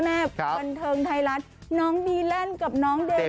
กันเทิงไทรัสน้องดีเร่นกับน้องเดมี่